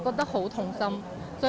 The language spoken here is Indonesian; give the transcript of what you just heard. pada saat terjadi perang kejahatan tersebut